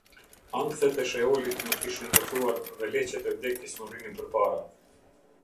Ankthet e Sheolit më kishin rrethuar dhe leqet e vdekjes më rrinin përpara.